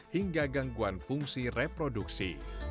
hingga gangguan fungsi reproduksi